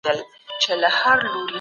د سرپل مرکزي ښار سرپل دی.